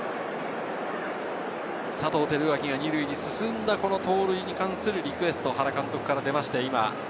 佐藤輝明が２塁に進んだ盗塁に関するリクエストが原監督から出ました。